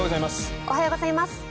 おはようございます。